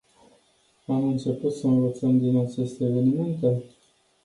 Am început să învățăm din aceste evenimente?